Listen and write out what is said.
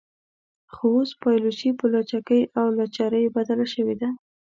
خو اوس پایلوچي په لچکۍ او لچرۍ بدله شوې ده.